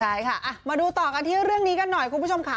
ใช่ค่ะมาดูต่อกันที่เรื่องนี้กันหน่อยคุณผู้ชมค่ะ